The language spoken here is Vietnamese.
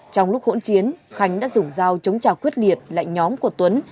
trong lúc hỗn chiến khánh đã dùng dao chống trào quyết liệt lạnh nhóm của tuấn